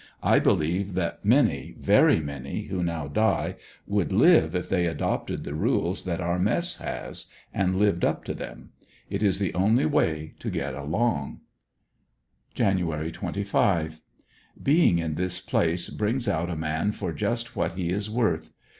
I believe that many, very many, who now die, would live if they adopted the rules that our mess has, and lived up to them. It is the only way to get along. Jan. 25. — Being in this place brings out a man for just what he he is worth.